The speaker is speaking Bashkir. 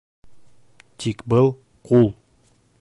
Тик был —ҡул!